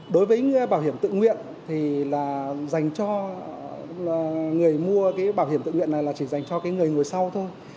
đối với bảo hiểm tự nguyện thì dành cho người mua bảo hiểm tự nguyện này là chỉ dành cho người ngồi sau thôi